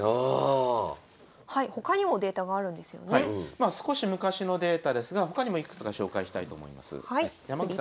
まあ少し昔のデータですが他にもいくつか紹介したいと思います。